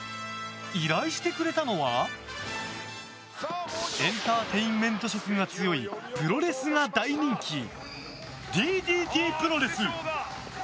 依頼してくれたのはエンターテインメント色が強いプロレスが大人気ＤＤＴプロレス！